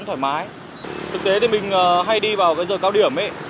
thực tế thì mình hay đi vào cái giờ cao điểm ấy